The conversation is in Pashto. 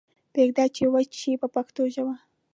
پریږدئ چې وچ شي په پښتو ژبه.